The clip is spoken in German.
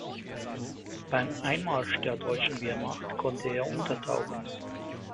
Beim Einmarsch der deutschen Wehrmacht konnte er untertauchen.